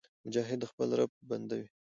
مجاهد د خپل رب بنده وي.